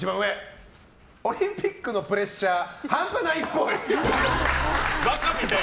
オリンピックのプレッシャーハンパないっぽい。